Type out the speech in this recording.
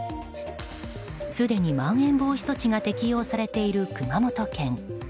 すでに、まん延防止措置が適用されている熊本県。